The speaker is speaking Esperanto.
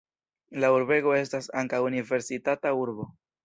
La urbego estas ankaŭ universitata urbo.